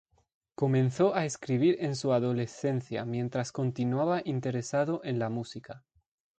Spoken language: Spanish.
Comenzó a escribir en su adolescencia mientras continuaba interesado en la música.